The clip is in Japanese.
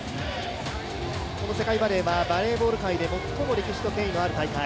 この世界バレーは、バレーボール界で最も歴史と権威のある大会。